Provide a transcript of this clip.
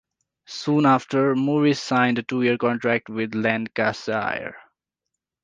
Soon after, Moores signed a two-year contract with Lancashire.